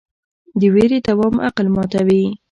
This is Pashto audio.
د ویرې دوام عقل ماتوي.